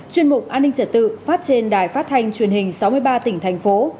chuyên mục an ninh trật tự phát trên đài phát thanh truyền hình sáu mươi ba tỉnh thành phố